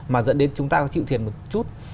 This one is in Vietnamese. mà dẫn đến chúng ta chịu thiệt một chút